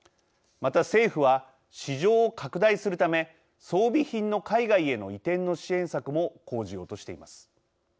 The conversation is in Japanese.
また政府は市場を拡大するため装備品の海外への移転の支援策も講じようとしています。